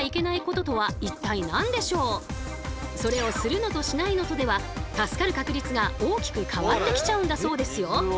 それをするのとしないのとでは助かる確率が大きく変わってきちゃうんだそうですよ。